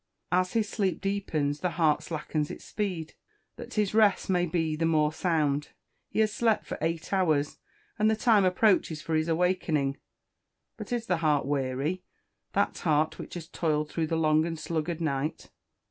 As his sleep deepens, the heart slackens its speed, that his rest may be the more sound. He has slept for eight hours, and the time approaches for his awakening. But is the heart weary that heart which has toiled through the long and sluggard night?